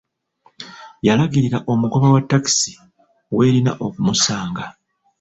Yalagirira omugoba wa takisi welina okumusanga.